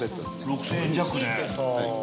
６，０００円弱で。